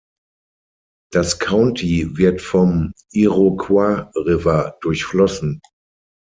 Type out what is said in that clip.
Das County wird vom Iroquois River durchflossen.